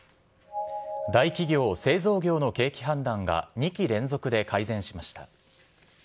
大企業・製造業の景気判断が２期連続で改善しました。